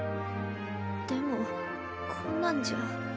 でもこんなんじゃ。